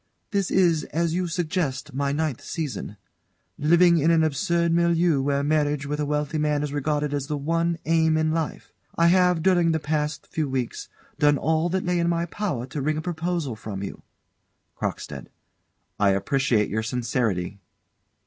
This is, as you suggest, my ninth season. Living in an absurd milieu where marriage with a wealthy man is regarded as the one aim in life, I have, during the past few weeks, done all that lay in my power to wring a proposal from you. CROCKSTEAD. I appreciate your sincerity.